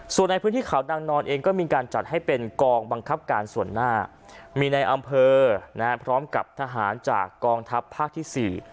ส่วนในพื้นที่เขานางนอนเองก็มีการจัดให้เป็นกองบังคับการส่วนหน้ามีในอำเภอนะฮะพร้อมกับทหารจากกองทัพภาคที่๔